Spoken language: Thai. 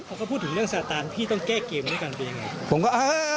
เขาก็พูดถึงเรื่องสตาร์ทพี่ต้องแก้เกมด้วยกันเปลี่ยงไง